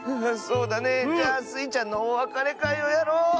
あそうだね。じゃあスイちゃんのおわかれかいをやろう。